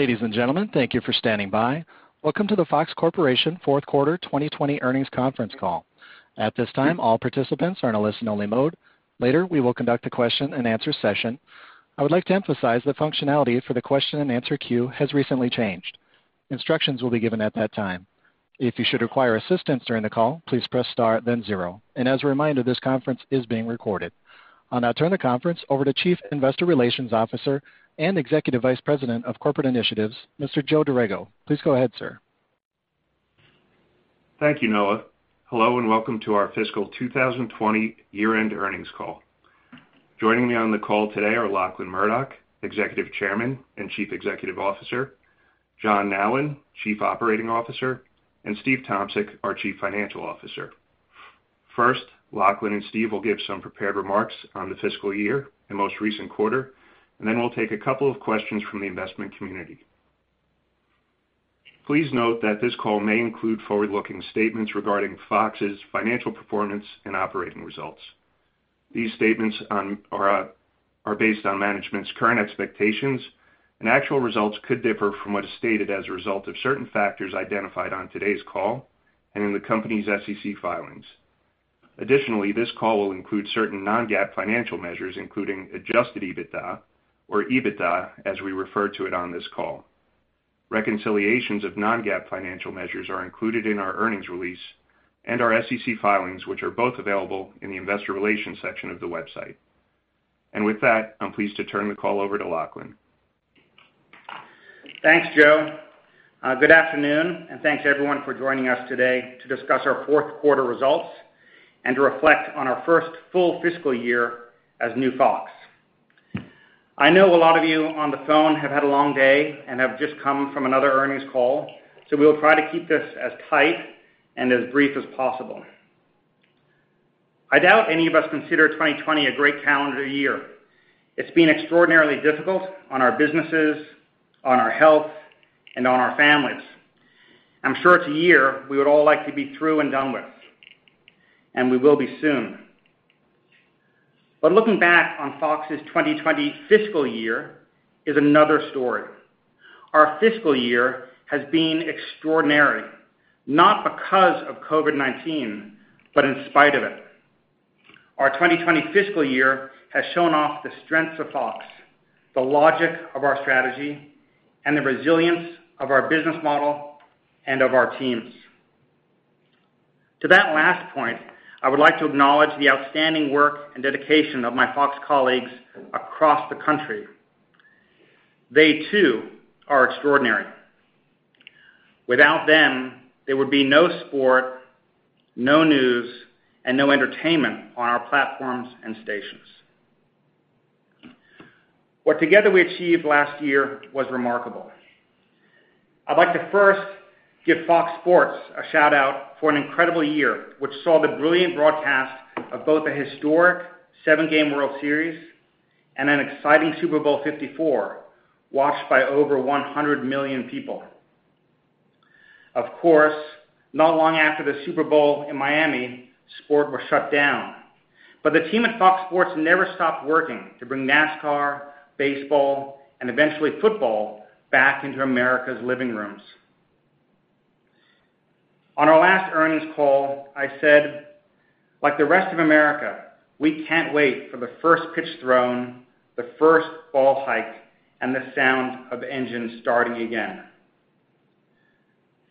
Ladies and gentlemen, thank you for standing by. Welcome to the Fox Corporation Fourth Quarter 2020 Earnings Conference Call. At this time, all participants are in a listen-only mode. Later, we will conduct a question-and-answer session. I would like to emphasize the functionality for the question-and-answer queue has recently changed. Instructions will be given at that time. If you should require assistance during the call, please press star, then zero. And as a reminder, this conference is being recorded. I'll now turn the conference over to Chief Investor Relations Officer and Executive Vice President of Corporate Initiatives, Mr. Joe Dorrego. Please go ahead, sir. Thank you, Noah. Hello, and welcome to our fiscal 2020 year-end earnings call. Joining me on the call today are Lachlan Murdoch, Executive Chairman and Chief Executive Officer, John Nallen, Chief Operating Officer, and Steve Tomsic, our Chief Financial Officer. First, Lachlan and Steve will give some prepared remarks on the fiscal year and most recent quarter, and then we'll take a couple of questions from the investment community. Please note that this call may include forward-looking statements regarding FOX's financial performance and operating results. These statements are based on management's current expectations, and actual results could differ from what is stated as a result of certain factors identified on today's call and in the company's SEC filings. Additionally, this call will include certain non-GAAP financial measures, including adjusted EBITDA, or EBITDA as we refer to it on this call. Reconciliations of non-GAAP financial measures are included in our earnings release and our SEC filings, which are both available in the investor relations section of the website. And with that, I'm pleased to turn the call over to Lachlan. Thanks, Joe. Good afternoon, and thanks, everyone, for joining us today to discuss our fourth quarter results and to reflect on our first full fiscal year as new FOX. I know a lot of you on the phone have had a long day and have just come from another earnings call, so we will try to keep this as tight and as brief as possible. I doubt any of us consider 2020 a great calendar year. It's been extraordinarily difficult on our businesses, on our health, and on our families. I'm sure it's a year we would all like to be through and done with, and we will be soon. But looking back on FOX's 2020 fiscal year is another story. Our fiscal year has been extraordinary, not because of COVID-19, but in spite of it. Our 2020 fiscal year has shown off the strengths of FOX, the logic of our strategy, and the resilience of our business model and of our teams. To that last point, I would like to acknowledge the outstanding work and dedication of my FOX colleagues across the country. They, too, are extraordinary. Without them, there would be no sport, no news, and no entertainment on our platforms and stations. What together we achieved last year was remarkable. I'd like to first give FOX Sports a shout-out for an incredible year, which saw the brilliant broadcast of both a historic seven-game World Series and an exciting Super Bowl LIV watched by over 100 million people. Of course, not long after the Super Bowl in Miami, sport was shut down, but the team at FOX Sports never stopped working to bring NASCAR, baseball, and eventually football back into America's living rooms. On our last earnings call, I said, "Like the rest of America, we can't wait for the first pitch thrown, the first ball hike, and the sound of engines starting again."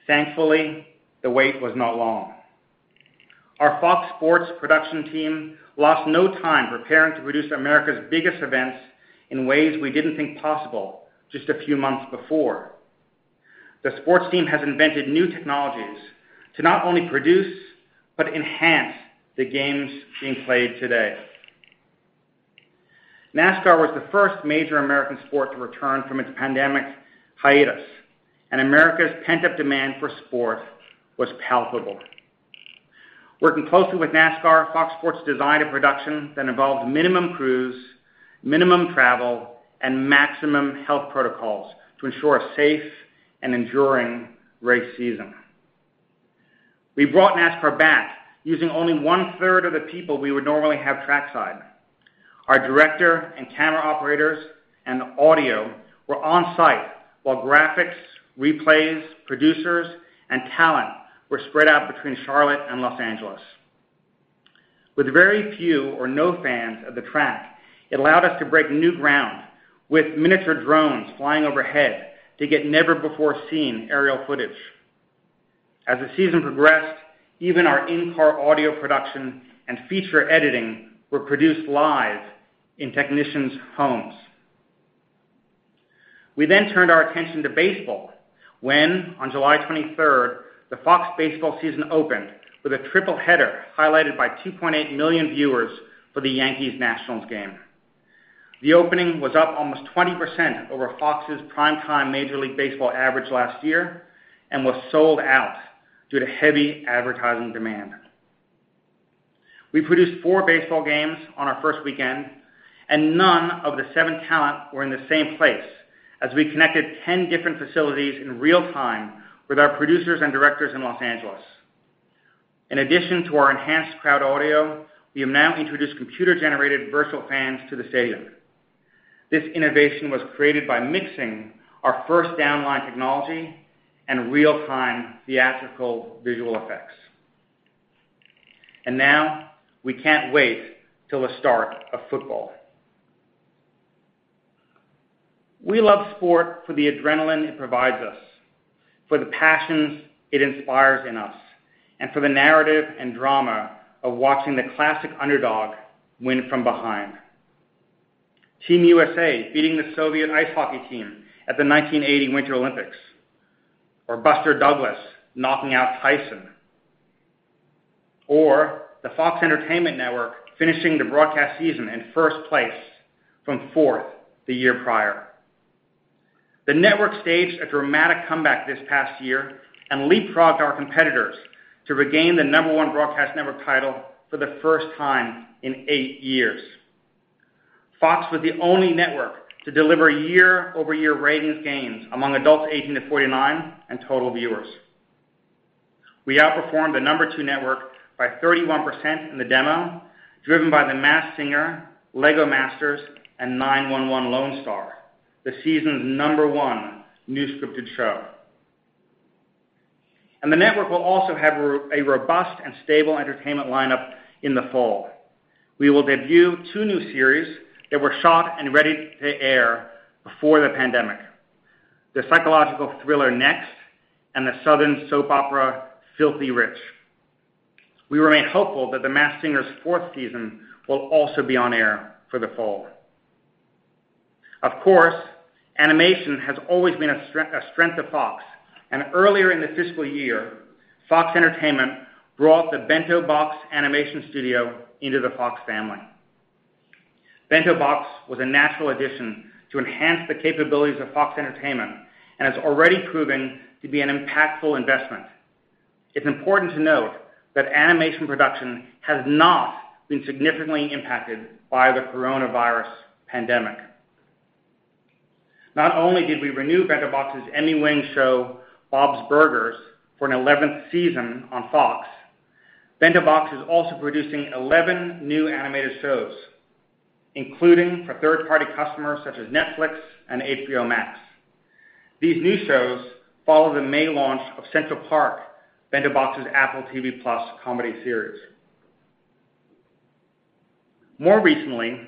Thankfully, the wait was not long. Our FOX Sports production team lost no time preparing to produce America's biggest events in ways we didn't think possible just a few months before. The sports team has invented new technologies to not only produce but enhance the games being played today. NASCAR was the first major American sport to return from its pandemic hiatus, and America's pent-up demand for sport was palpable. Working closely with NASCAR, FOX Sports designed a production that involved minimum crews, minimum travel, and maximum health protocols to ensure a safe and enduring race season. We brought NASCAR back using only one-third of the people we would normally have trackside. Our director and camera operators and audio were on-site while graphics, replays, producers, and talent were spread out between Charlotte and Los Angeles. With very few or no fans at the track, it allowed us to break new ground with miniature drones flying overhead to get never-before-seen aerial footage. As the season progressed, even our in-car audio production and feature editing were produced live in technicians' homes. We then turned our attention to baseball when, on July 23rd, the FOX baseball season opened with a triple-header highlighted by 2.8 million viewers for the Yankees-Nationals game. The opening was up almost 20% over FOX's primetime Major League Baseball average last year and was sold out due to heavy advertising demand. We produced four baseball games on our first weekend, and none of the seven talent were in the same place as we connected 10 different facilities in real time with our producers and directors in Los Angeles. In addition to our enhanced crowd audio, we have now introduced computer-generated virtual fans to the stadium. This innovation was created by mixing our first down line technology and real-time theatrical visual effects. And now, we can't wait till the start of football. We love sport for the adrenaline it provides us, for the passions it inspires in us, and for the narrative and drama of watching the classic underdog win from behind. Team USA beating the Soviet ice hockey team at the 1980 Winter Olympics, or Buster Douglas knocking out Tyson, or the FOX Entertainment Network finishing the broadcast season in first place from fourth the year prior. The network staged a dramatic comeback this past year and leapfrogged our competitors to regain the number one broadcast network title for the first time in eight years. FOX was the only network to deliver year-over-year ratings gains among adults 18-49 and total viewers. We outperformed the number two network by 31% in the demo, driven by The Masked Singer, LEGO Masters, and 9-1-1: Lone Star, the season's number one new scripted show. And the network will also have a robust and stable entertainment lineup in the fall. We will debut two new series that were shot and ready to air before the pandemic: the psychological thriller neXt and the Southern soap opera Filthy Rich. We remain hopeful that The Masked Singer's fourth season will also be on air for the fall. Of course, animation has always been a strength of FOX, and earlier in the fiscal year, FOX Entertainment brought the Bento Box Animation Studio into the FOX family. Bento Box was a natural addition to enhance the capabilities of FOX Entertainment and has already proven to be an impactful investment. It's important to note that animation production has not been significantly impacted by the coronavirus pandemic. Not only did we renew Bento Box's Emmy-winning show, Bob's Burgers, for an 11th season on FOX, Bento Box is also producing 11 new animated shows, including for third-party customers such as Netflix and HBO Max. These new shows follow the May launch of Central Park: Bento Box's Apple TV+ comedy series. More recently,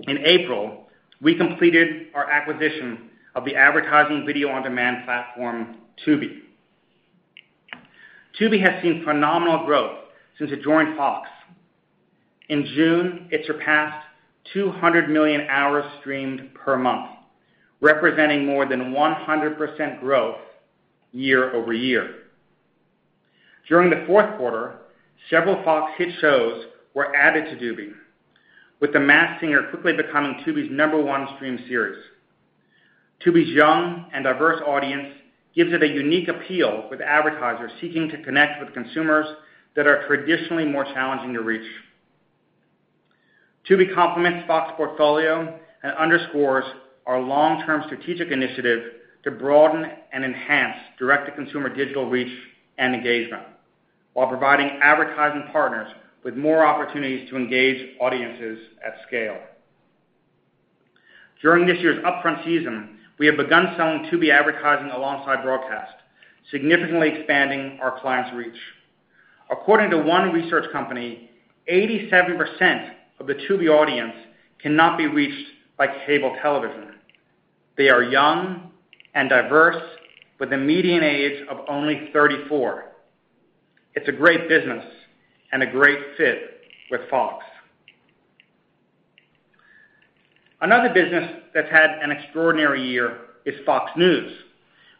in April, we completed our acquisition of the advertising video on-demand platform Tubi. Tubi has seen phenomenal growth since it joined FOX. In June, it surpassed 200 million hours streamed per month, representing more than 100% growth year over year. During the fourth quarter, several FOX hit shows were added to Tubi, with The Masked Singer quickly becoming Tubi's number one streamed series. Tubi's young and diverse audience gives it a unique appeal with advertisers seeking to connect with consumers that are traditionally more challenging to reach. Tubi complements FOX's portfolio and underscores our long-term strategic initiative to broaden and enhance direct-to-consumer digital reach and engagement while providing advertising partners with more opportunities to engage audiences at scale. During this year's upfront season, we have begun selling Tubi advertising alongside broadcast, significantly expanding our clients' reach. According to one research company, 87% of the Tubi audience cannot be reached by cable television. They are young and diverse, with a median age of only 34. It's a great business and a great fit with FOX. Another business that's had an extraordinary year is FOX News,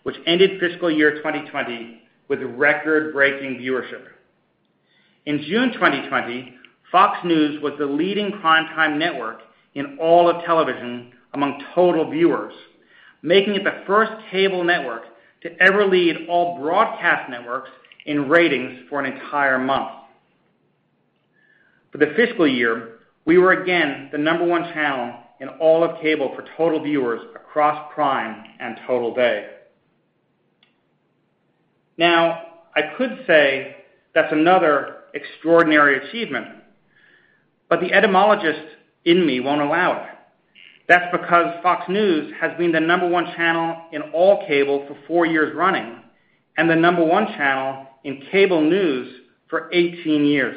which ended fiscal year 2020 with record-breaking viewership. In June 2020, FOX News was the leading primetime network in all of television among total viewers, making it the first cable network to ever lead all broadcast networks in ratings for an entire month. For the fiscal year, we were again the number one channel in all of cable for total viewers across prime and total day. Now, I could say that's another extraordinary achievement, but the etymologist in me won't allow it. That's because FOX News has been the number one channel in all cable for four years running and the number one channel in cable news for 18 years.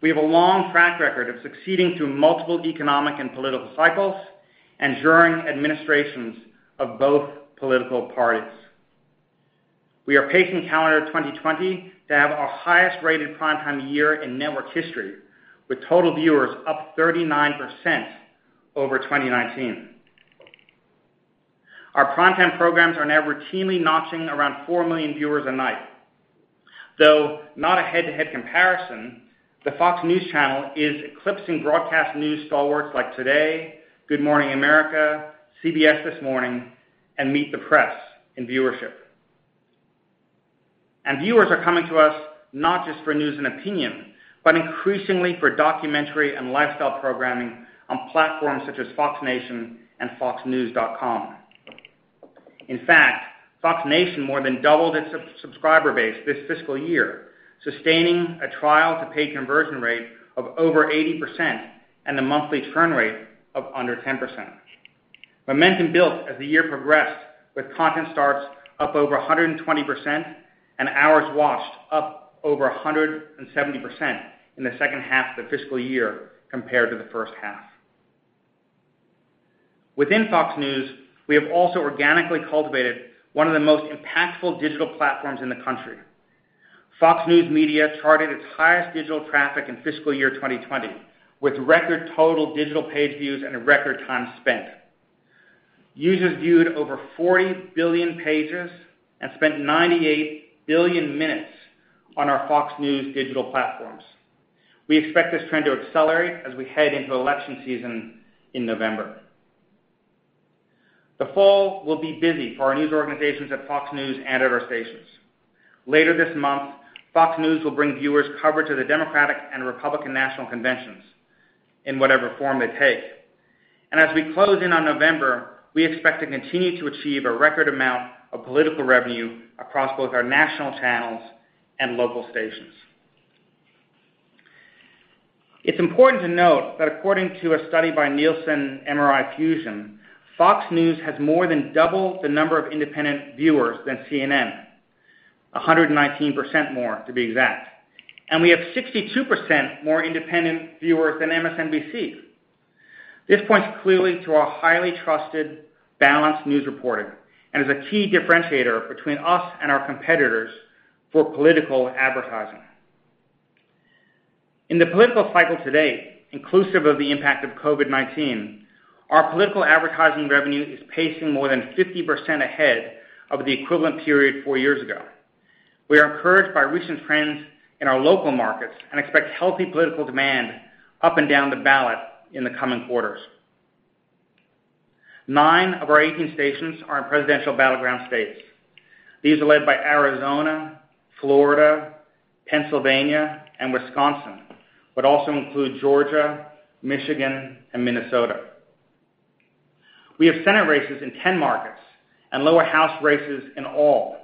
We have a long track record of succeeding through multiple economic and political cycles and during administrations of both political parties. We are facing calendar 2020 to have our highest-rated primetime year in network history, with total viewers up 39% over 2019. Our primetime programs are now routinely notching around four million viewers a night. Though not a head-to-head comparison, the FOX News Channel is eclipsing broadcast news stalwarts like Today, Good Morning America, CBS This Morning, and Meet the Press in viewership. And viewers are coming to us not just for news and opinion, but increasingly for documentary and lifestyle programming on platforms such as FOX Nation and FOXNews.com. In fact, FOX Nation more than doubled its subscriber base this fiscal year, sustaining a trial-to-pay conversion rate of over 80% and a monthly churn rate of under 10%. Momentum built as the year progressed, with content starts up over 120% and hours watched up over 170% in the second half of the fiscal year compared to the first half. Within FOX News, we have also organically cultivated one of the most impactful digital platforms in the country. FOX News Media charted its highest digital traffic in fiscal year 2020, with record total digital page views and record time spent. Users viewed over 40 billion pages and spent 98 billion minutes on our FOX News digital platforms. We expect this trend to accelerate as we head into election season in November. The fall will be busy for our news organizations at FOX News and at our stations. Later this month, FOX News will bring viewers coverage of the Democratic and Republican national conventions in whatever form they take. As we close in on November, we expect to continue to achieve a record amount of political revenue across both our national channels and local stations. It's important to note that according to a study by Nielsen MRI Fusion, FOX News has more than doubled the number of independent viewers than CNN, 119% more to be exact, and we have 62% more independent viewers than MSNBC. This points clearly to our highly trusted, balanced news reporting and is a key differentiator between us and our competitors for political advertising. In the political cycle today, inclusive of the impact of COVID-19, our political advertising revenue is pacing more than 50% ahead of the equivalent period four years ago. We are encouraged by recent trends in our local markets and expect healthy political demand up and down the ballot in the coming quarters. Nine of our 18 stations are in presidential battleground states. These are led by Arizona, Florida, Pennsylvania, and Wisconsin, but also include Georgia, Michigan, and Minnesota. We have Senate races in 10 markets and lower house races in all,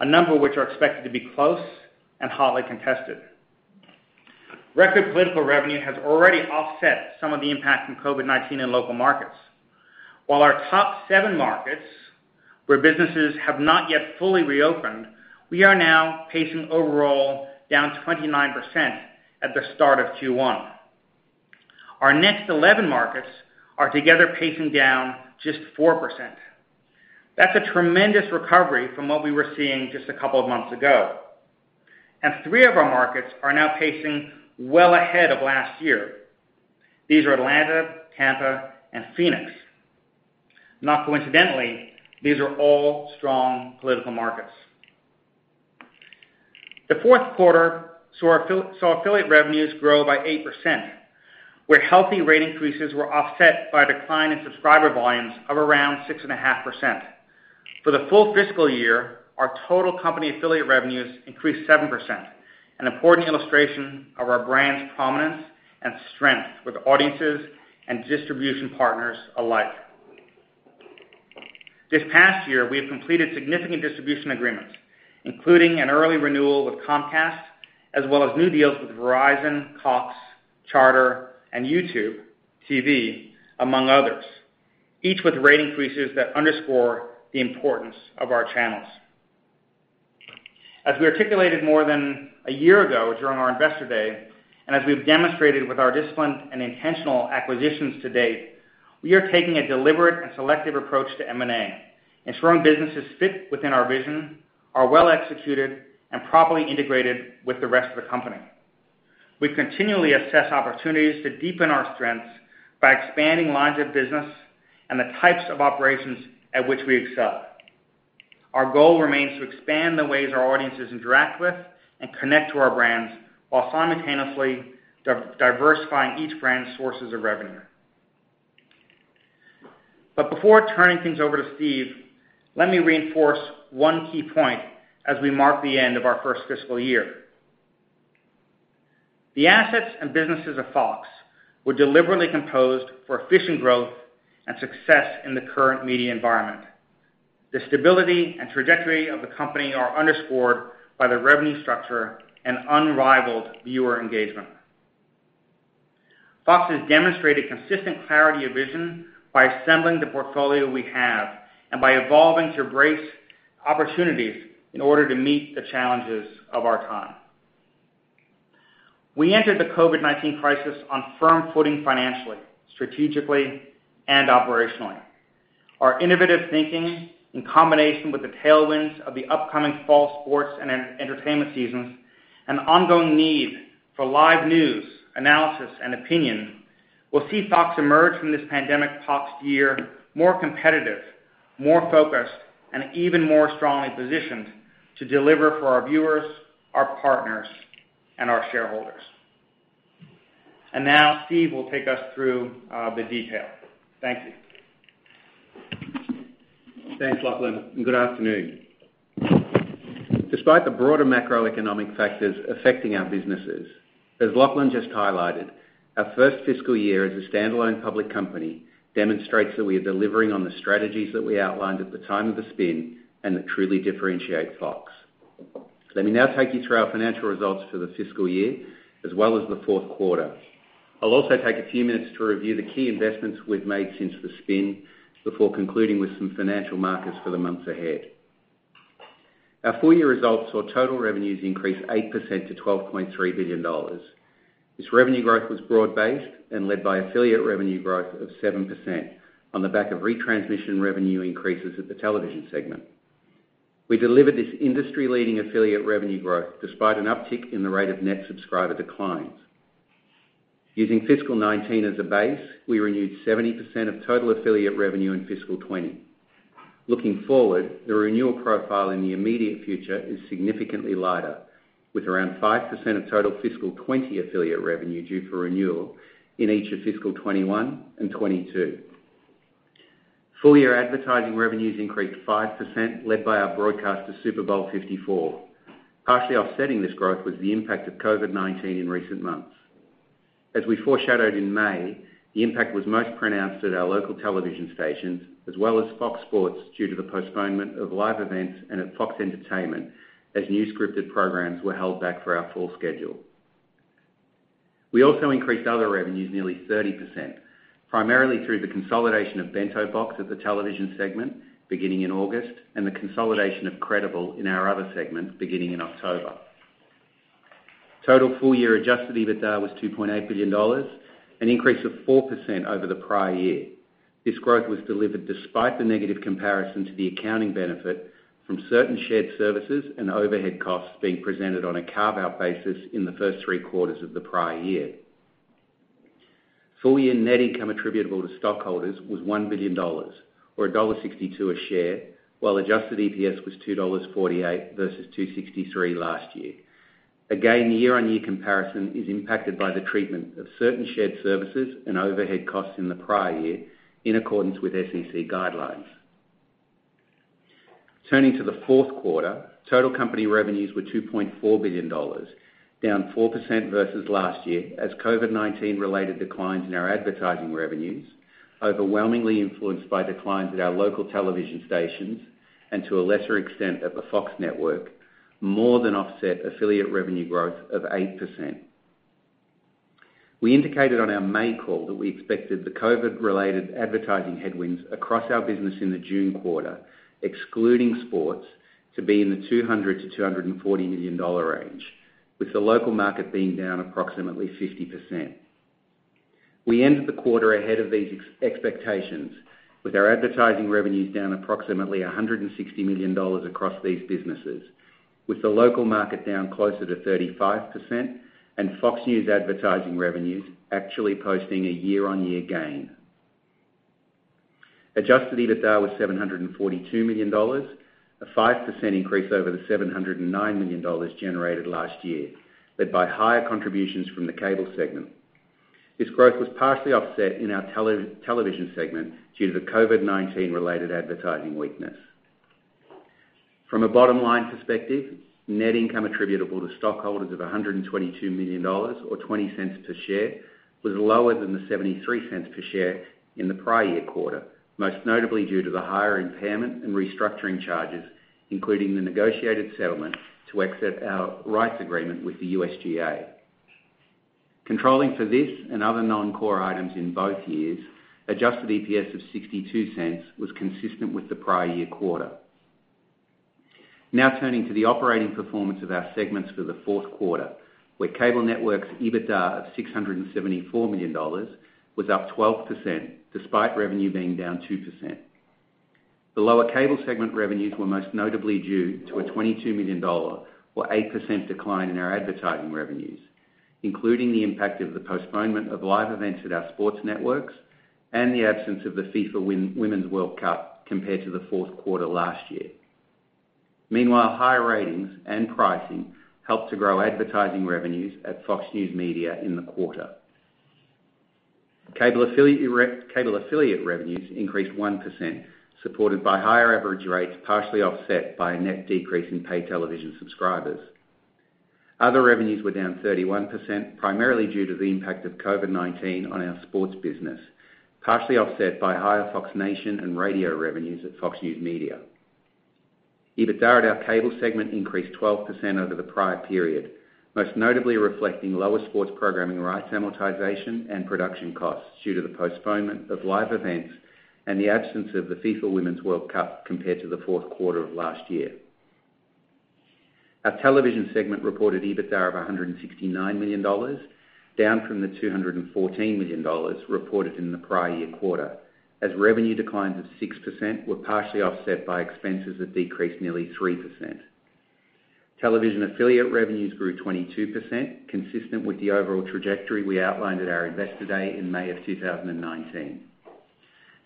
a number of which are expected to be close and hotly contested. Record political revenue has already offset some of the impact from COVID-19 in local markets. While our top seven markets, where businesses have not yet fully reopened, we are now pacing overall down 29% at the start of Q1. Our next 11 markets are together pacing down just 4%. That's a tremendous recovery from what we were seeing just a couple of months ago. And three of our markets are now pacing well ahead of last year. These are Atlanta, Tampa, and Phoenix. Not coincidentally, these are all strong political markets. The fourth quarter saw affiliate revenues grow by 8%, where healthy rate increases were offset by a decline in subscriber volumes of around 6.5%. For the full fiscal year, our total company affiliate revenues increased 7%, an important illustration of our brand's prominence and strength with audiences and distribution partners alike. This past year, we have completed significant distribution agreements, including an early renewal with Comcast, as well as new deals with Verizon, Cox, Charter, and YouTube TV, among others, each with rate increases that underscore the importance of our channels. As we articulated more than a year ago during our Investor Day, and as we've demonstrated with our disciplined and intentional acquisitions to date, we are taking a deliberate and selective approach to M&A, ensuring businesses fit within our vision, are well executed, and properly integrated with the rest of the company. We continually assess opportunities to deepen our strengths by expanding lines of business and the types of operations at which we excel. Our goal remains to expand the ways our audiences interact with and connect to our brands while simultaneously diversifying each brand's sources of revenue. But before turning things over to Steve, let me reinforce one key point as we mark the end of our first fiscal year. The assets and businesses of FOX were deliberately composed for efficient growth and success in the current media environment. The stability and trajectory of the company are underscored by the revenue structure and unrivaled viewer engagement. FOX has demonstrated consistent clarity of vision by assembling the portfolio we have and by evolving to embrace opportunities in order to meet the challenges of our time. We entered the COVID-19 crisis on firm footing financially, strategically, and operationally. Our innovative thinking, in combination with the tailwinds of the upcoming fall sports and entertainment seasons and ongoing need for live news, analysis, and opinion, will see FOX emerge from this pandemic FOX year more competitive, more focused, and even more strongly positioned to deliver for our viewers, our partners, and our shareholders. And now, Steve will take us through the detail. Thank you. Thanks, Lachlan, and good afternoon. Despite the broader macroeconomic factors affecting our businesses, as Lachlan just highlighted, our first fiscal year as a standalone public company demonstrates that we are delivering on the strategies that we outlined at the time of the spin and that truly differentiate FOX. Let me now take you through our financial results for the fiscal year, as well as the fourth quarter. I'll also take a few minutes to review the key investments we've made since the spin before concluding with some financial markers for the months ahead. Our full year results saw total revenues increased 8% to $12.3 billion. This revenue growth was broad-based and led by affiliate revenue growth of 7% on the back of retransmission revenue increases at the television segment. We delivered this industry-leading affiliate revenue growth despite an uptick in the rate of net subscriber declines. Using fiscal 2019 as a base, we renewed 70% of total affiliate revenue in fiscal 2020. Looking forward, the renewal profile in the immediate future is significantly lighter, with around 5% of total fiscal 2020 affiliate revenue due for renewal in each of fiscal 2021 and 2022. Full-year advertising revenues increased 5%, led by our broadcast to Super Bowl LIV. Partially offsetting this growth was the impact of COVID-19 in recent months. As we foreshadowed in May, the impact was most pronounced at our local television stations, as well as FOX Sports due to the postponement of live events and at FOX Entertainment, as new scripted programs were held back for our full schedule. We also increased other revenues nearly 30%, primarily through the consolidation of Bento Box at the television segment, beginning in August, and the consolidation of Credible in our other segment, beginning in October. Total full-year adjusted EBITDA was $2.8 billion, an increase of 4% over the prior year. This growth was delivered despite the negative comparison to the accounting benefit from certain shared services and overhead costs being presented on a carve-out basis in the first three quarters of the prior year. Full-year net income attributable to stockholders was $1 billion, or $1.62 a share, while adjusted EPS was $2.48 versus $2.63 last year. Again, year-on-year comparison is impacted by the treatment of certain shared services and overhead costs in the prior year in accordance with SEC guidelines. Turning to the fourth quarter, total company revenues were $2.4 billion, down 4% versus last year as COVID-19-related declines in our advertising revenues, overwhelmingly influenced by declines at our local television stations and, to a lesser extent, at the FOX Network, more than offset affiliate revenue growth of 8%. We indicated on our May call that we expected the COVID-related advertising headwinds across our business in the June quarter, excluding sports, to be in the $200 million-$240 million range, with the local market being down approximately 50%. We ended the quarter ahead of these expectations, with our advertising revenues down approximately $160 million across these businesses, with the local market down closer to 35% and FOX News advertising revenues actually posting a year-on-year gain. Adjusted EBITDA was $742 million, a 5% increase over the $709 million generated last year, led by higher contributions from the cable segment. This growth was partially offset in our television segment due to the COVID-19-related advertising weakness. From a bottom-line perspective, net income attributable to stockholders of $122 million, or $0.20 per share, was lower than the $0.73 per share in the prior year quarter, most notably due to the higher impairment and restructuring charges, including the negotiated settlement to exit our rights agreement with the USGA. Controlling for this and other non-core items in both years, adjusted EPS of $0.62 was consistent with the prior year quarter. Now turning to the operating performance of our segments for the fourth quarter, where Cable Network's EBITDA of $674 million was up 12%, despite revenue being down 2%. The lower cable segment revenues were most notably due to a $22 million, or 8%, decline in our advertising revenues, including the impact of the postponement of live events at our sports networks and the absence of the FIFA Women's World Cup compared to the fourth quarter last year. Meanwhile, higher ratings and pricing helped to grow advertising revenues at FOX News Media in the quarter. Cable affiliate revenues increased 1%, supported by higher average rates partially offset by a net decrease in paid television subscribers. Other revenues were down 31%, primarily due to the impact of COVID-19 on our sports business, partially offset by higher FOX Nation and radio revenues at FOX News Media. EBITDA at our cable segment increased 12% over the prior period, most notably reflecting lower sports programming rights amortization and production costs due to the postponement of live events and the absence of the FIFA Women's World Cup compared to the fourth quarter of last year. Our television segment reported EBITDA of $169 million, down from the $214 million reported in the prior year quarter, as revenue declines of 6% were partially offset by expenses that decreased nearly 3%. Television affiliate revenues grew 22%, consistent with the overall trajectory we outlined at our Investor Day in May of 2019.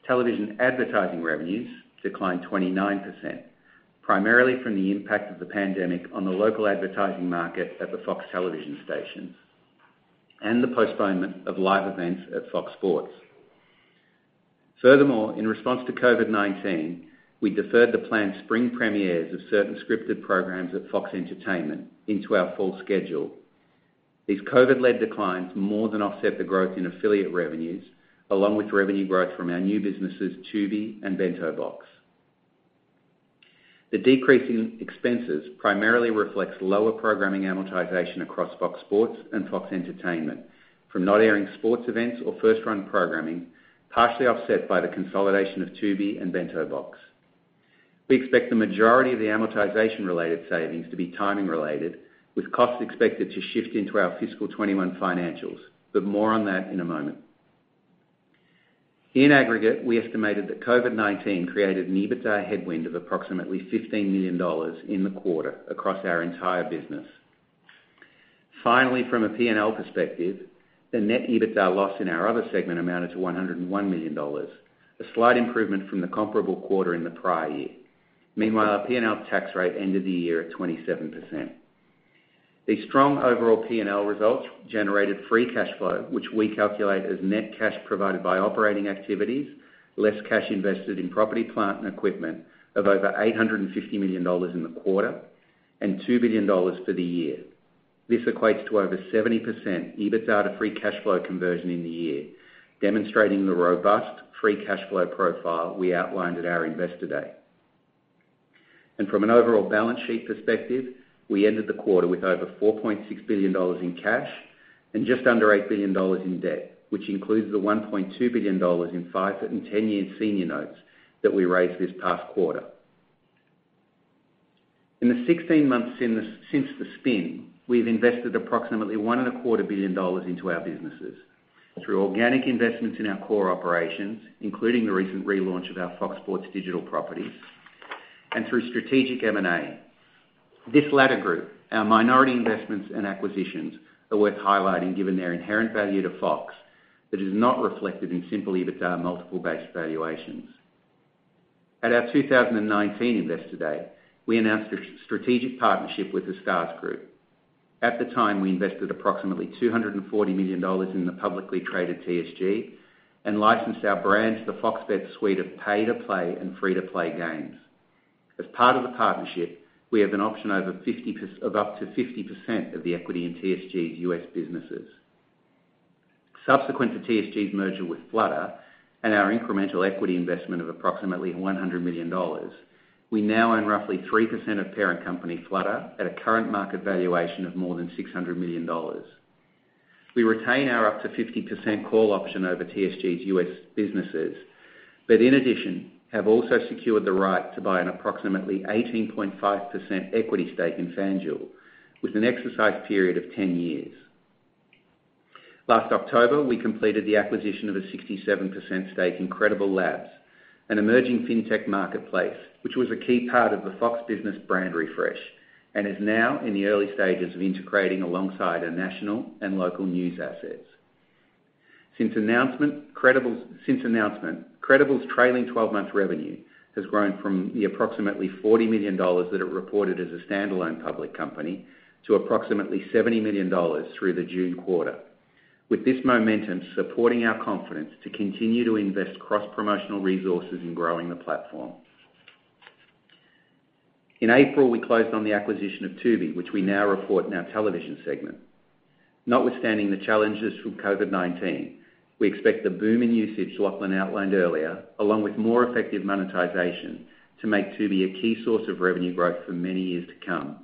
Television advertising revenues declined 29%, primarily from the impact of the pandemic on the local advertising market at the FOX television stations and the postponement of live events at FOX Sports. Furthermore, in response to COVID-19, we deferred the planned spring premieres of certain scripted programs at FOX Entertainment into our full schedule. These COVID-led declines more than offset the growth in affiliate revenues, along with revenue growth from our new businesses, Tubi and Bento Box. The decrease in expenses primarily reflects lower programming amortization across FOX Sports and FOX Entertainment from not airing sports events or first-run programming, partially offset by the consolidation of Tubi and Bento Box. We expect the majority of the amortization-related savings to be timing-related, with costs expected to shift into our fiscal 2021 financials, but more on that in a moment. In aggregate, we estimated that COVID-19 created an EBITDA headwind of approximately $15 million in the quarter across our entire business. Finally, from a P&L perspective, the net EBITDA loss in our other segment amounted to $101 million, a slight improvement from the comparable quarter in the prior year. Meanwhile, our P&L tax rate ended the year at 27%. These strong overall P&L results generated free cash flow, which we calculate as net cash provided by operating activities, less cash invested in property, plant, and equipment of over $850 million in the quarter, and $2 billion for the year. This equates to over 70% EBITDA to free cash flow conversion in the year, demonstrating the robust free cash flow profile we outlined at our Investor Day. From an overall balance sheet perspective, we ended the quarter with over $4.6 billion in cash and just under $8 billion in debt, which includes the $1.2 billion in five- and 10-year senior notes that we raised this past quarter. In the 16 months since the spin, we've invested approximately $1.25 billion into our businesses through organic investments in our core operations, including the recent relaunch of our FOX Sports digital properties, and through strategic M&A. This latter group, our minority investments and acquisitions, are worth highlighting given their inherent value to FOX that is not reflected in simple EBITDA multiple-based valuations. At our 2019 Investor Day, we announced a strategic partnership with the Stars Group. At the time, we invested approximately $240 million in the publicly traded TSG and licensed our brand to the FOX Bet suite of pay-to-play and free-to-play games. As part of the partnership, we have an option over up to 50% of the equity in TSG's U.S. businesses. Subsequent to TSG's merger with Flutter and our incremental equity investment of approximately $100 million, we now own roughly 3% of parent company Flutter at a current market valuation of more than $600 million. We retain our up to 50% call option over TSG's U.S. businesses, but in addition, have also secured the right to buy an approximately 18.5% equity stake in FanDuel, with an exercise period of 10 years. Last October, we completed the acquisition of a 67% stake in Credible Labs, an emerging fintech marketplace, which was a key part of the FOX Business brand refresh and is now in the early stages of integrating alongside our national and local news assets. Since announcement, Credible's trailing 12-month revenue has grown from the approximately $40 million that it reported as a standalone public company to approximately $70 million through the June quarter, with this momentum supporting our confidence to continue to invest cross-promotional resources in growing the platform. In April, we closed on the acquisition of Tubi, which we now report in our television segment. Notwithstanding the challenges from COVID-19, we expect the boom in usage Lachlan outlined earlier, along with more effective monetization, to make Tubi a key source of revenue growth for many years to come.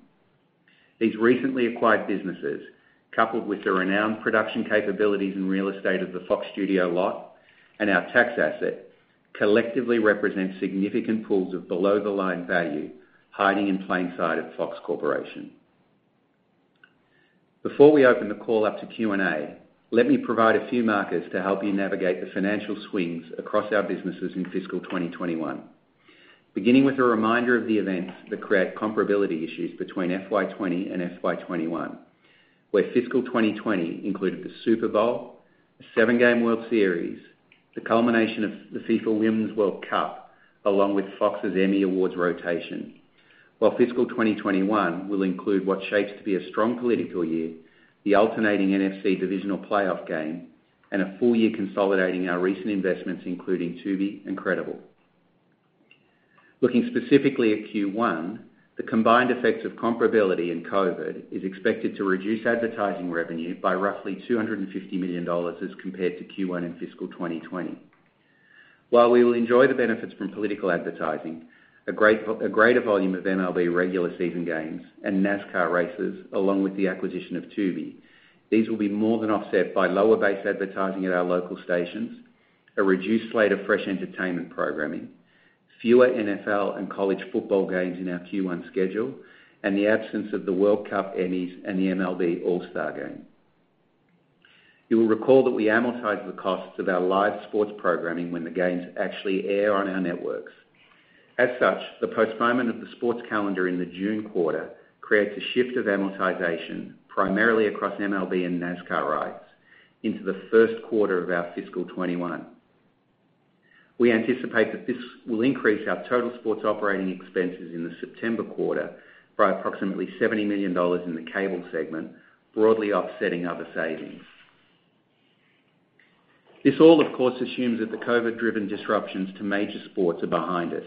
These recently acquired businesses, coupled with the renowned production capabilities and real estate of the FOX Studio Lot and our tax asset, collectively represent significant pools of below-the-line value hiding in plain sight of Fox Corporation. Before we open the call up to Q&A, let me provide a few markers to help you navigate the financial swings across our businesses in fiscal 2021, beginning with a reminder of the events that create comparability issues between FY 2020 and FY 2021, where fiscal 2020 included the Super Bowl, a seven-game World Series, the culmination of the FIFA Women's World Cup, along with FOX's Emmy Awards rotation, while fiscal 2021 will include what shapes up to be a strong political year, the alternating NFC divisional playoff game, and a full year consolidating our recent investments, including Tubi and Credible. Looking specifically at Q1, the combined effects of comparability and COVID is expected to reduce advertising revenue by roughly $250 million as compared to Q1 in fiscal 2020. While we will enjoy the benefits from political advertising, a greater volume of MLB regular season games and NASCAR races, along with the acquisition of Tubi, these will be more than offset by lower base advertising at our local stations, a reduced slate of fresh entertainment programming, fewer NFL and college football games in our Q1 schedule, and the absence of the World Cup, Emmys and the MLB All-Star Game. You will recall that we amortize the costs of our live sports programming when the games actually air on our networks. As such, the postponement of the sports calendar in the June quarter creates a shift of amortization, primarily across MLB and NASCAR rights, into the first quarter of our fiscal 2021. We anticipate that this will increase our total sports operating expenses in the September quarter by approximately $70 million in the cable segment, broadly offsetting other savings. This all, of course, assumes that the COVID-driven disruptions to major sports are behind us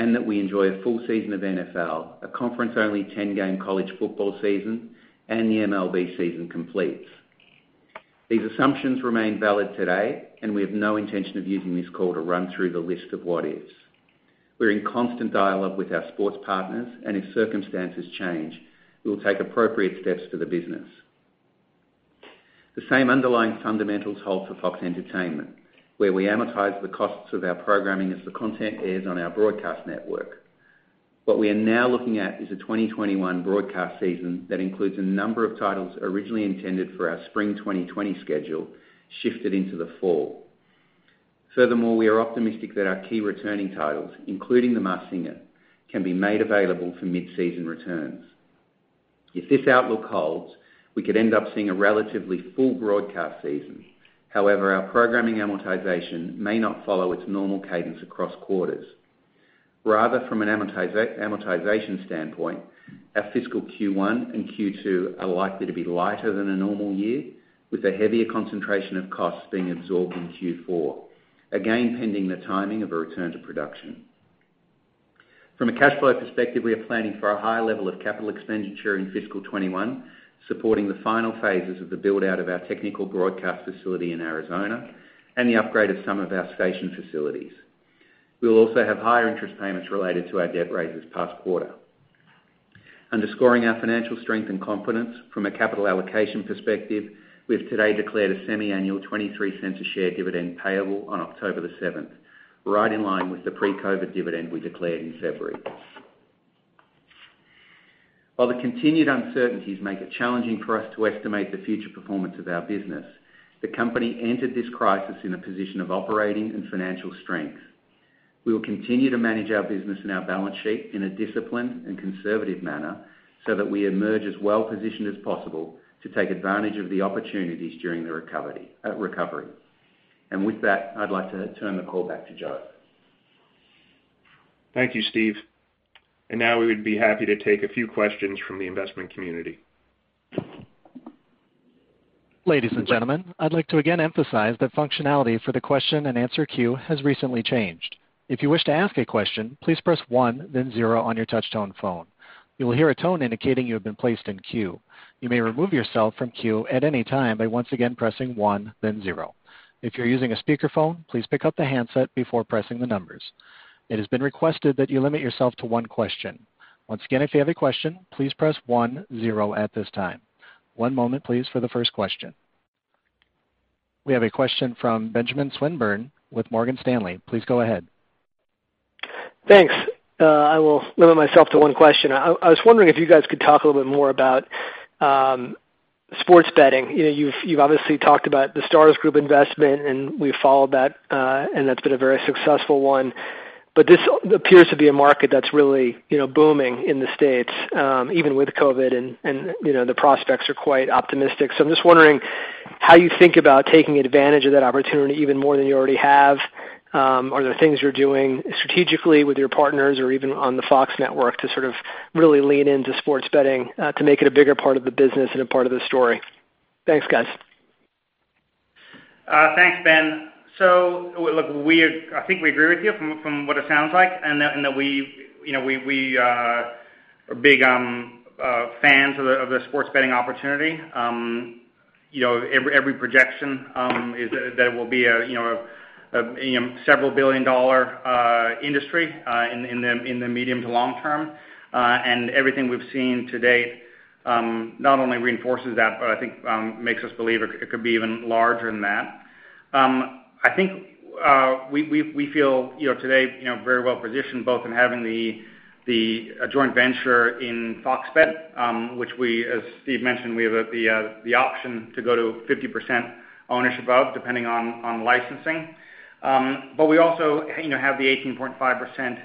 and that we enjoy a full season of NFL, a conference-only 10-game college football season, and the MLB season completes. These assumptions remain valid today, and we have no intention of using this call to run through the list of what-ifs. We're in constant dialogue with our sports partners, and if circumstances change, we will take appropriate steps for the business. The same underlying fundamentals hold for FOX Entertainment, where we amortize the costs of our programming as the content airs on our broadcast network. What we are now looking at is a 2021 broadcast season that includes a number of titles originally intended for our spring 2020 schedule shifted into the fall. Furthermore, we are optimistic that our key returning titles, including The Masked Singer, can be made available for mid-season returns. If this outlook holds, we could end up seeing a relatively full broadcast season. However, our programming amortization may not follow its normal cadence across quarters. Rather, from an amortization standpoint, our fiscal Q1 and Q2 are likely to be lighter than a normal year, with a heavier concentration of costs being absorbed in Q4, again pending the timing of a return to production. From a cash flow perspective, we are planning for a higher level of capital expenditure in fiscal 2021, supporting the final phases of the build-out of our technical broadcast facility in Arizona and the upgrade of some of our station facilities. We will also have higher interest payments related to our debt raises past quarter. Underscoring our financial strength and confidence, from a capital allocation perspective, we have today declared a semi-annual $0.23 a share dividend payable on October the 7th, right in line with the pre-COVID dividend we declared in February. While the continued uncertainties make it challenging for us to estimate the future performance of our business, the company entered this crisis in a position of operating and financial strength. We will continue to manage our business and our balance sheet in a disciplined and conservative manner so that we emerge as well-positioned as possible to take advantage of the opportunities during the recovery. And with that, I'd like to turn the call back to Joe. Thank you, Steve. And now we would be happy to take a few questions from the investment community. Ladies and gentlemen, I'd like to again emphasize that functionality for the question and answer queue has recently changed. If you wish to ask a question, please press one, then zero on your touch-tone phone. You will hear a tone indicating you have been placed in queue. You may remove yourself from queue at any time by once again pressing one, then zero. If you're using a speakerphone, please pick up the handset before pressing the numbers. It has been requested that you limit yourself to one question. Once again, if you have a question, please press one, zero at this time. One moment, please, for the first question. We have a question from Benjamin Swinburne with Morgan Stanley. Please go ahead. Thanks. I will limit myself to one question. I was wondering if you guys could talk a little bit more about sports betting. You've obviously talked about the Stars Group investment, and we've followed that, and that's been a very successful one. But this appears to be a market that's really booming in the States, even with COVID, and the prospects are quite optimistic. So I'm just wondering how you think about taking advantage of that opportunity even more than you already have. Are there things you're doing strategically with your partners or even on the FOX network to sort of really lean into sports betting to make it a bigger part of the business and a part of the story? Thanks, guys. Thanks, Ben. So look, I think we agree with you from what it sounds like, and that we are big fans of the sports betting opportunity. Every projection is that it will be a several billion-dollar industry in the medium to long term, and everything we've seen to date not only reinforces that, but I think makes us believe it could be even larger than that. I think we feel today very well positioned both in having a joint venture in FOX Bet, which we, as Steve mentioned, we have the option to go to 50% ownership of depending on licensing. But we also have the 18.5%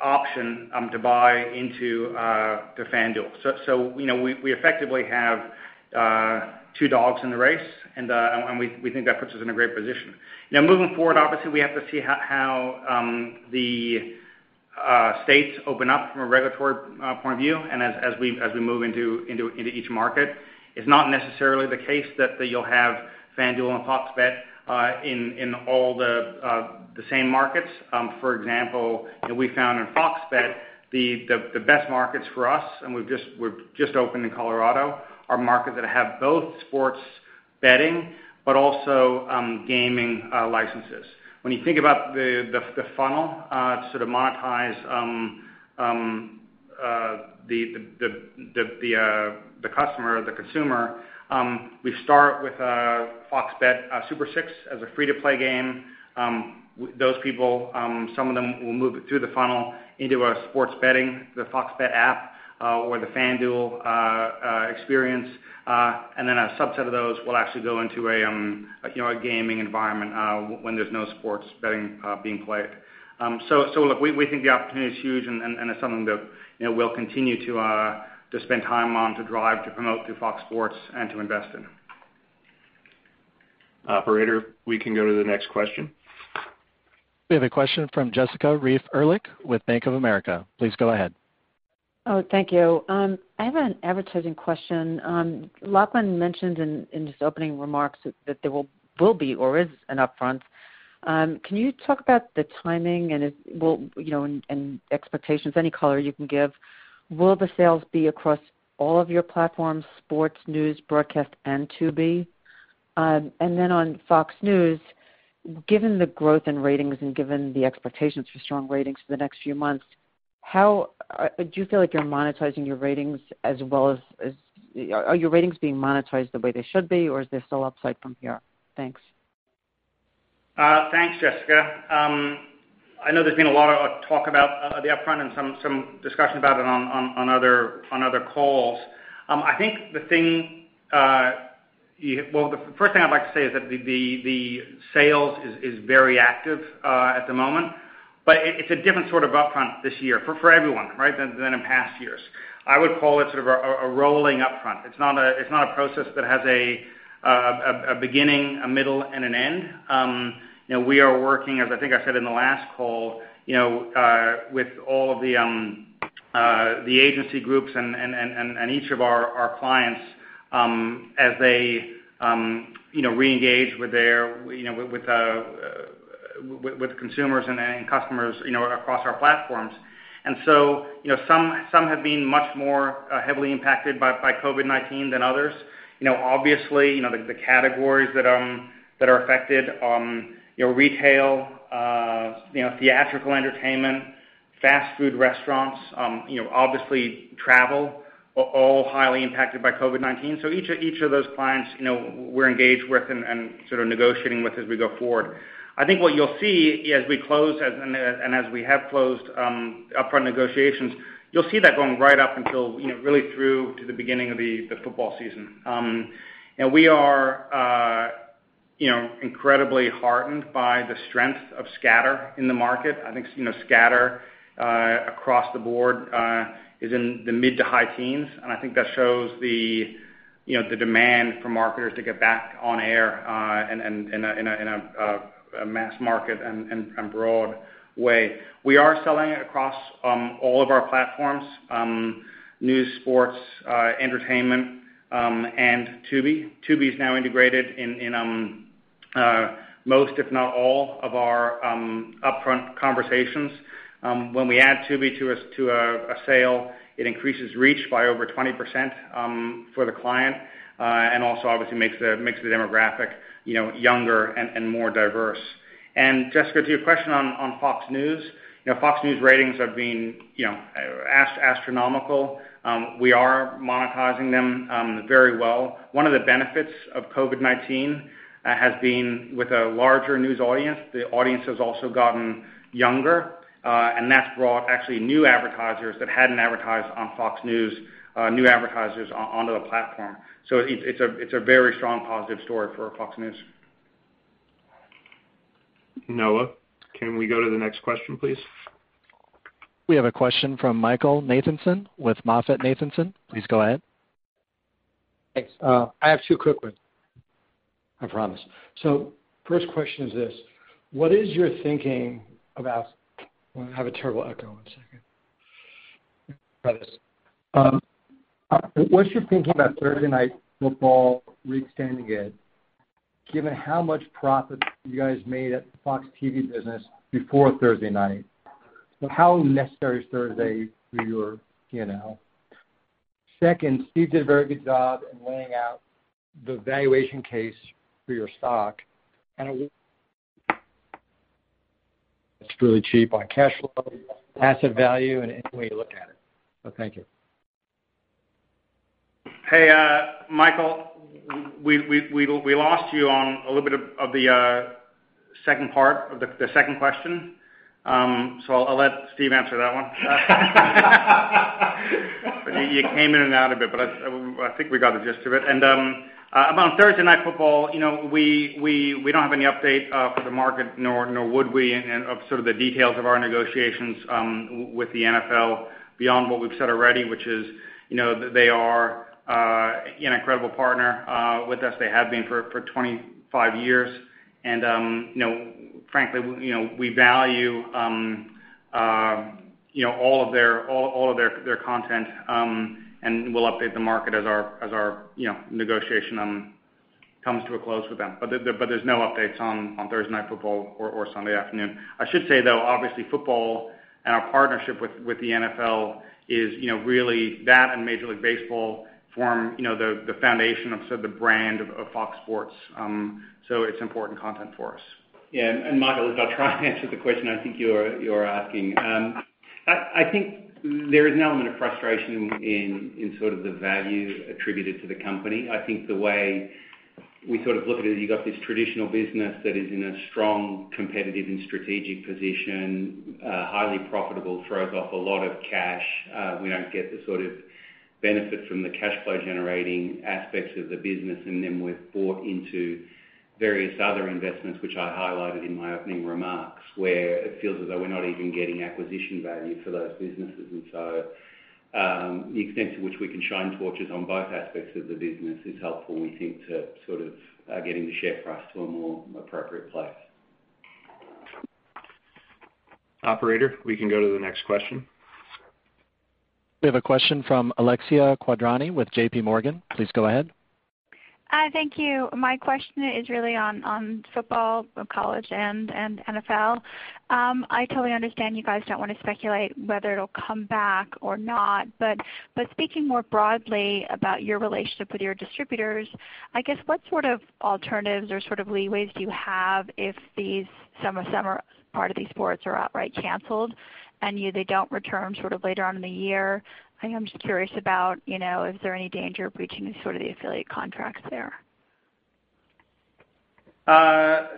option to buy into FanDuel. So we effectively have two dogs in the race, and we think that puts us in a great position. Now, moving forward, obviously, we have to see how the States open up from a regulatory point of view, and as we move into each market, it's not necessarily the case that you'll have FanDuel and FOX Bet in all the same markets. For example, we found in FOX Bet, the best markets for us, and we've just opened in Colorado, are markets that have both sports betting but also gaming licenses. When you think about the funnel to sort of monetize the customer, the consumer, we start with FOX Bet Super 6 as a free-to-play game. Those people, some of them, will move through the funnel into a sports betting, the FOX Bet app or the FanDuel experience, and then a subset of those will actually go into a gaming environment when there's no sports betting being played. So look, we think the opportunity is huge and is something that we'll continue to spend time on to drive, to promote through FOX Sports, and to invest in. Operator, we can go to the next question. We have a question from Jessica Reif Ehrlich with Bank of America. Please go ahead. Oh, thank you. I have an advertising question. Lachlan mentioned in his opening remarks that there will be or is an upfront. Can you talk about the timing and expectations, any color you can give? Will the sales be across all of your platforms, sports, news, broadcast, and Tubi? And then on FOX News, given the growth in ratings and given the expectations for strong ratings for the next few months, do you feel like you're monetizing your ratings as well as are your ratings being monetized the way they should be, or is there still upside from here? Thanks. Thanks, Jessica. I know there's been a lot of talk about the upfront and some discussion about it on other calls. I think the first thing I'd like to say is that the sales is very active at the moment, but it's a different sort of upfront this year for everyone, right, than in past years. I would call it sort of a rolling upfront. It's not a process that has a beginning, a middle, and an end. We are working, as I think I said in the last call, with all of the agency groups and each of our clients as they reengage with consumers and customers across our platforms. And so some have been much more heavily impacted by COVID-19 than others. Obviously, the categories that are affected are retail, theatrical entertainment, fast food restaurants, obviously travel, all highly impacted by COVID-19. So each of those clients we're engaged with and sort of negotiating with as we go forward. I think what you'll see as we close and as we have closed upfront negotiations, you'll see that going right up until really through to the beginning of the football season. We are incredibly heartened by the strength of scatter in the market. I think scatter across the board is in the mid to high teens, and I think that shows the demand for marketers to get back on air in a mass market and broad way. We are selling across all of our platforms, news, sports, entertainment, and Tubi. Tubi is now integrated in most, if not all, of our upfront conversations. When we add Tubi to a sale, it increases reach by over 20% for the client and also, obviously, makes the demographic younger and more diverse. And Jessica, to your question on FOX News, FOX News ratings have been astronomical. We are monetizing them very well. One of the benefits of COVID-19 has been with a larger news audience. The audience has also gotten younger, and that's brought actually new advertisers that hadn't advertised on FOX News, new advertisers onto the platform. So it's a very strong positive story for FOX News. Noah, can we go to the next question, please? We have a question from Michael Nathanson with MoffettNathanson. Please go ahead. Thanks. I have two quick ones. I promise. So first question is this: what is your thinking about, well, I have a terrible echo. One second. What's your thinking about Thursday Night Football re-extending it, given how much profit you guys made at the FOX TV business before Thursday Night? How necessary is Thursday for your P&L? Second, Steve did a very good job in laying out the valuation case for your stock and it's really cheap on cash flow, asset value, and any way you look at it. So thank you. Hey, Michael, we lost you on a little bit of the second part of the second question, so I'll let Steve answer that one. You came in and out a bit, but I think we got the gist of it. And about Thursday Night Football, we don't have any update for the market, nor would we offer sort of the details of our negotiations with the NFL beyond what we've said already, which is they are an incredible partner with us. They have been for 25 years, and frankly, we value all of their content and will update the market as our negotiation comes to a close with them. But there's no updates on Thursday Night Football or Sunday afternoon. I should say, though, obviously, football and our partnership with the NFL is really that, and Major League Baseball form the foundation of sort of the brand of FOX Sports. So it's important content for us. Yeah. And Michael, if I'll try and answer the question I think you're asking. I think there is an element of frustration in sort of the value attributed to the company. I think the way we sort of look at it, you've got this traditional business that is in a strong competitive and strategic position, highly profitable, throws off a lot of cash. We don't get the sort of benefit from the cash flow generating aspects of the business, and then we're bought into various other investments, which I highlighted in my opening remarks, where it feels as though we're not even getting acquisition value for those businesses. And so the extent to which we can shine torches on both aspects of the business is helpful, we think, to sort of getting the share price to a more appropriate place. Operator, we can go to the next question. We have a question from Alexia Quadrani with JPMorgan. Please go ahead. Hi. Thank you. My question is really on football, college, and NFL. I totally understand you guys don't want to speculate whether it'll come back or not, but speaking more broadly about your relationship with your distributors, I guess what sort of alternatives or sort of leeway do you have if some part of these sports are outright canceled and they don't return sort of later on in the year? I am just curious about if there's any danger of breaching sort of the affiliate contracts there.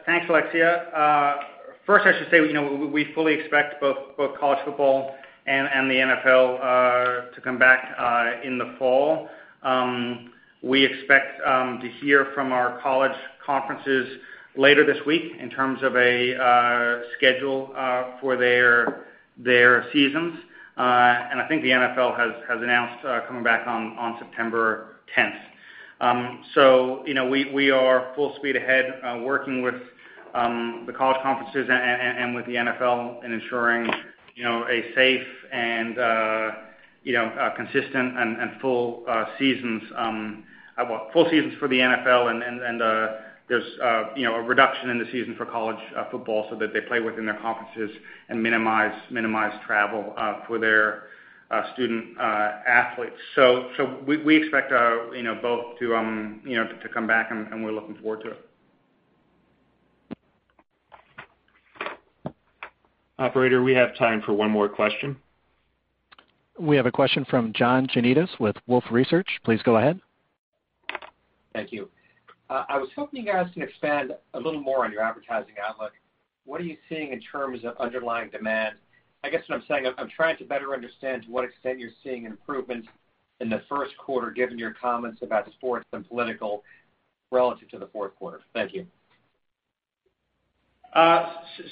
Thanks, Alexia. First, I should say we fully expect both college football and the NFL to come back in the fall. We expect to hear from our college conferences later this week in terms of a schedule for their seasons, and I think the NFL has announced coming back on September 10th. So we are full speed ahead working with the college conferences and with the NFL in ensuring a safe and consistent and full seasons for the NFL, and there's a reduction in the season for college football so that they play within their conferences and minimize travel for their student athletes. So we expect both to come back, and we're looking forward to it. Operator, we have time for one more question. We have a question from John Janedis with Wolfe Research. Please go ahead. Thank you. I was hoping you guys can expand a little more on your advertising outlook. What are you seeing in terms of underlying demand? I guess what I'm saying, I'm trying to better understand to what extent you're seeing improvements in the first quarter given your comments about sports and political relative to the fourth quarter. Thank you.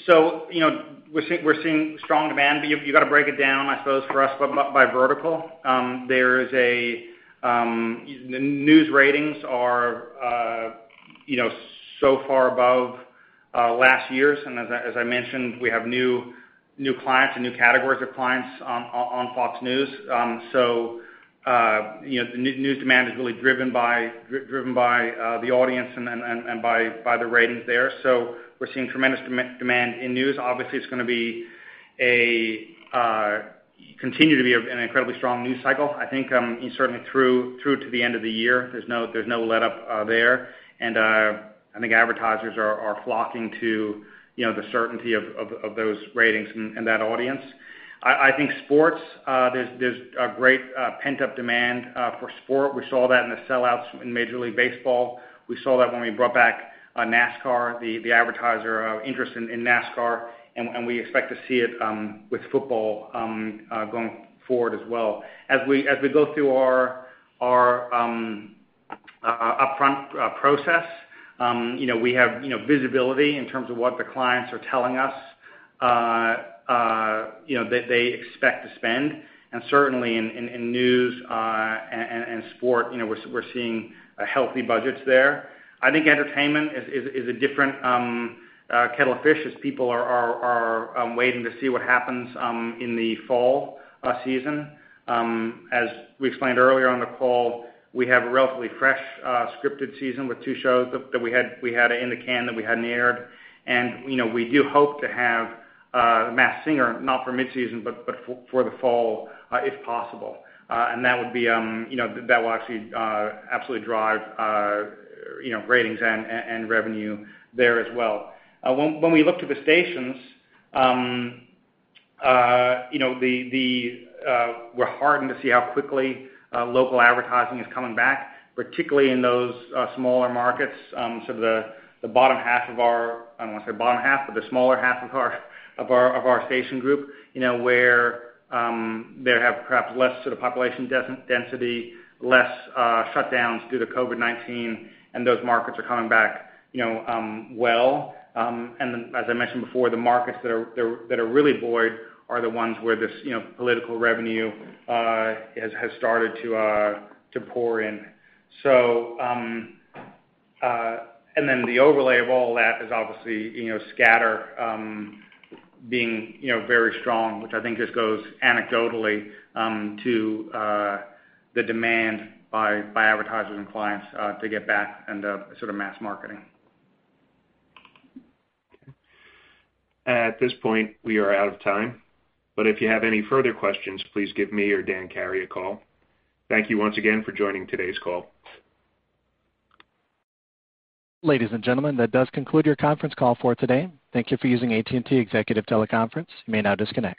So, we're seeing strong demand, but you've got to break it down, I suppose, for us by vertical. The news ratings are so far above last year's, and as I mentioned, we have new clients and new categories of clients on FOX News. So, the news demand is really driven by the audience and by the ratings there. So, we're seeing tremendous demand in news. Obviously, it's going to continue to be an incredibly strong news cycle. I think certainly through to the end of the year, there's no let-up there, and I think advertisers are flocking to the certainty of those ratings and that audience. I think sports, there's a great pent-up demand for sport. We saw that in the sellouts in Major League Baseball. We saw that when we brought back NASCAR, the advertiser interest in NASCAR, and we expect to see it with football going forward as well. As we go through our upfront process, we have visibility in terms of what the clients are telling us they expect to spend, and certainly in news and sport, we're seeing healthy budgets there. I think entertainment is a different kettle of fish as people are waiting to see what happens in the fall season. As we explained earlier on the call, we have a relatively fresh scripted season with two shows that we had in the can that we hadn't aired, and we do hope to have Masked Singer, not for mid-season but for the fall if possible, and that will actually absolutely drive ratings and revenue there as well. When we look to the stations, we're heartened to see how quickly local advertising is coming back, particularly in those smaller markets, sort of the bottom half of our, I don't want to say bottom half, but the smaller half of our station group, where there have perhaps less sort of population density, less shutdowns due to COVID-19, and those markets are coming back well, and as I mentioned before, the markets that are really buoyed are the ones where this political revenue has started to pour in, and then the overlay of all that is obviously scatter being very strong, which I think just goes anecdotally to the demand by advertisers and clients to get back and sort of mass marketing. At this point, we are out of time, but if you have any further questions, please give me or Dan Carey a call. Thank you once again for joining today's call. Ladies and gentlemen, that does conclude your conference call for today. Thank you for using AT&T Executive Teleconference. You may now disconnect.